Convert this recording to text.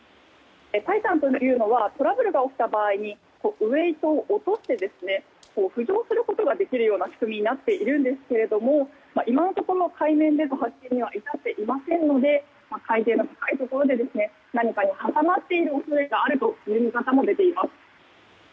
「タイタン」というのはトラブルが起きた場合ウエイトを落として浮上することができるような仕組みになっているんですが今のところ海面での発見には至っていませんので海底の深いところで何かに挟まっている恐れがあるという見方も出ています。